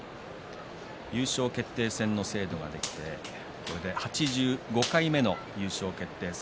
優勝決定戦の制度ができてこれで８５回目の優勝決定戦。